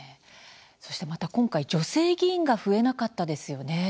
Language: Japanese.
そしてまた今回、女性議員が増えなかったですよね。